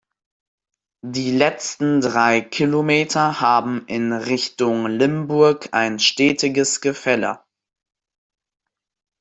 Die letzten drei Kilometer haben in Richtung Limburg ein stetiges Gefälle.